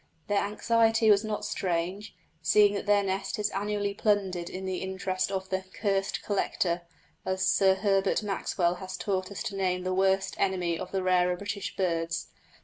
Their anxiety was not strange, seeing that their nest is annually plundered in the interest of the "cursed collector," as Sir Herbert Maxwell has taught us to name the worst enemy of the rarer British birds.